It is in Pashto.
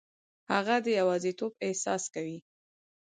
هغه د یوازیتوب احساس کوي.